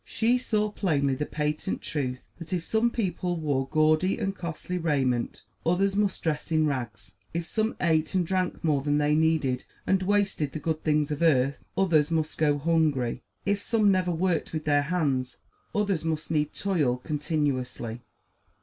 She saw plainly the patent truth that, if some people wore gaudy and costly raiment, others must dress in rags; if some ate and drank more than they needed, and wasted the good things of earth, others must go hungry; if some never worked with their hands, others must needs toil continuously.